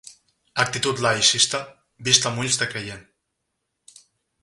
Actitud laïcista vista amb ulls de creient.